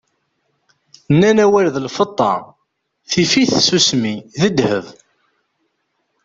Nnan awal d lfeṭṭa, tif-it tsusmi, d ddheb.